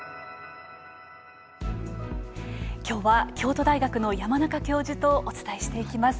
京都大学の山中教授とお伝えしていきます。